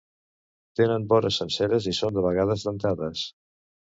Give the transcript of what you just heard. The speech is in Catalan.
Tenen vores senceres i són de vegades dentades.